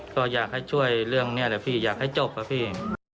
ก็อยากให้ช่วยเรื่องนี้แหละพี่อยากให้จบครับพี่